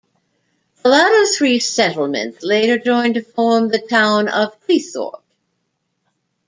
The latter three settlements later joined to form the town of Cleethorpes.